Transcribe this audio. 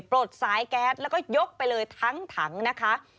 ปลดสายแก๊สแล้วก็ยกไปเลยทั้งถังนะคะ